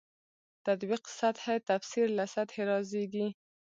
تطبیق سطح تفسیر له سطحې رازېږي.